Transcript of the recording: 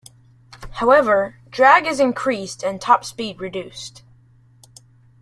However, drag is increased and top speed reduced.